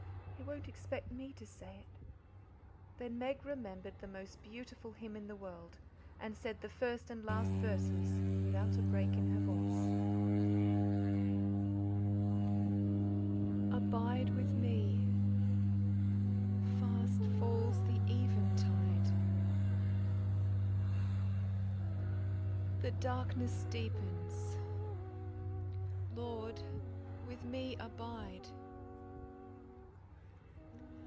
"He won't expect ME to say it." Then Meg remembered the most beautiful hymn in the world, and said the first and last verses without a break in her voice: "Abide with me, fast falls the eventide, The darkness deepens; Lord, with me abide.